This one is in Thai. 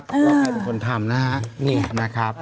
ว่าเค้าเป็นคนทำนะฮะนี่นะครับ